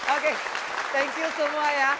oke thank you semua ya